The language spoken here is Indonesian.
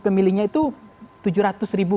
pemilihnya itu tujuh ratus ribu